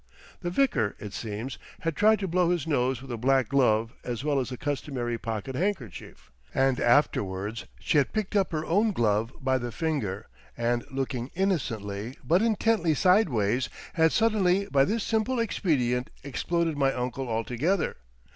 The vicar, it seems, had tried to blow his nose with a black glove as well as the customary pocket handkerchief. And afterwards she had picked up her own glove by the finger, and looking innocently but intently sideways, had suddenly by this simple expedient exploded my uncle altogether.